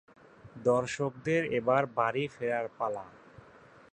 দর্শকদের এবার বাড়ি ফেরার পালা।